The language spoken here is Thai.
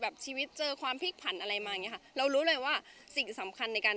ชีวิตเจอความพลิกผันอะไรมาอย่างเงี้ค่ะเรารู้เลยว่าสิ่งสำคัญในการ